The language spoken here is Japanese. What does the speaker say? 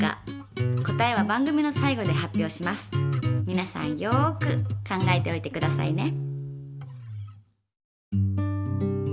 みなさんよく考えておいてくださいね。